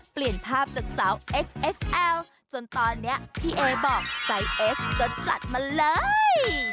เปลี่ยนภาพจากสาวเอสเอสแอลจนตอนนี้พี่เอบอกใจเอสก็จัดมาเลย